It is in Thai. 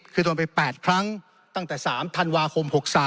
คือโดนไป๘ครั้งตั้งแต่๓ธันวาคม๖๓